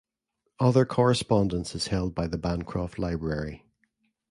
Other correspondence is held by the Bancroft Library.